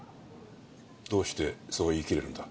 どうしてそう言い切れるんだ？